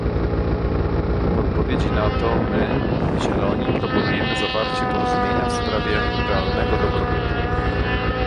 W odpowiedzi na to my, Zieloni, proponujemy zawarcie porozumienia w sprawie realnego dobrobytu